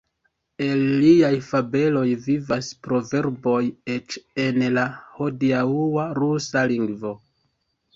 El liaj fabeloj vivas proverboj eĉ en la hodiaŭa rusa lingvo.